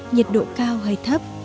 nhiệt độ cao hay thấp